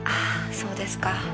そうですか。